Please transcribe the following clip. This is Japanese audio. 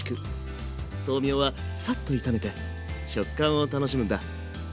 豆苗はサッと炒めて食感を楽しむんだ。